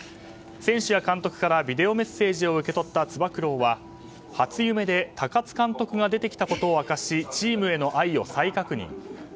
選手や監督からビデオメッセージを受け取ったつば九郎は、初夢で高津監督が出てきたことを明かしチームへの愛を再確認。